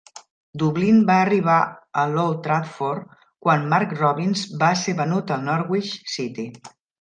Dublin va arribar a l'Old Trafford quan Mark Robins va ser venut al Norwich City.